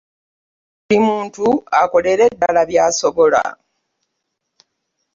Buli muntu akolere ddala by'asobola.